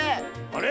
あれ？